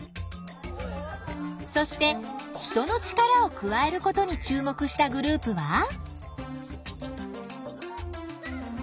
そして人の力を加えることに注目したグループは？